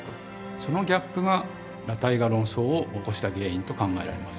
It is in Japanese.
そのギャップが裸体画論争を起こした原因と考えられます。